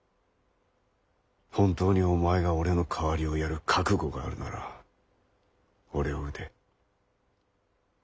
本当にお前が俺の代わりをやる覚悟があるなら俺を討て。